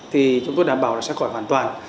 thì chúng tôi đảm bảo là ra khỏi hoàn toàn